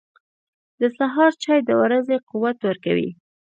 • د سهار چای د ورځې قوت ورکوي.